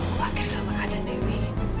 khawatir sama kandang dewi